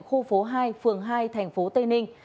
khu phố hai phường hai tp tây ninh